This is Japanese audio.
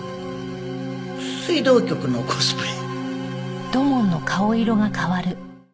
水道局のコスプレ。